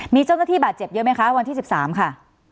มีเจ้าหน้าที่บาดเจ็บเยอะไหมคะวันที่๑๓ค่ะ